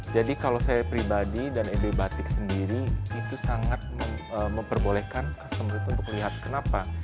jadi kalau saya pribadi dan ebe batik sendiri itu sangat memperbolehkan customer untuk melihat kenapa